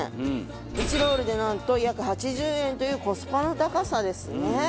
１ロールでなんと約８０円というコスパの高さですね。